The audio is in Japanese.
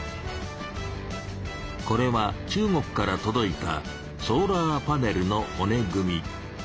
これは中国からとどいたソーラーパネルのほね組み。